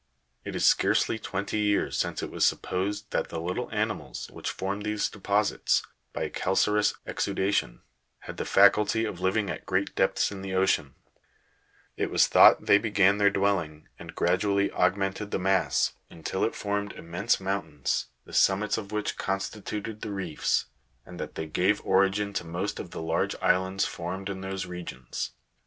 It is scarcely twenty years since it was supposed that the little animals \vhich form these deposits, by a calcareous exu dation, had the faculty of living at great depths in the ocean ; it was thought they began their dwelling, and gradually augmented the mass, until it formed immense mountains, the summits of which constituted the reefs, and that they gave origin to most of the large islands formed in those regions.